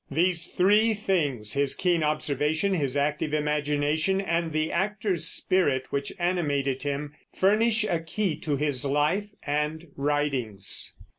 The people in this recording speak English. These three things, his keen observation, his active imagination, and the actor's spirit which animated him, furnish a key to his life and writings.